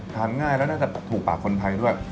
ง่ายแล้วน่าจะถูกปากคนไทยด้วย